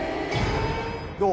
どう？